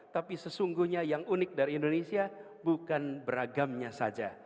tapi sesungguhnya yang unik dari indonesia bukan beragamnya saja